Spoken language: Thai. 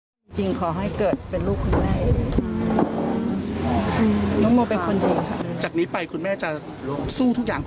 ก็เรารักผู้หญิงคนเดียวกันเนอะ